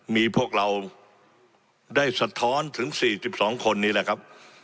มีพวกเราได้สะท้อนถึง๔๒คนนี้แหละครับ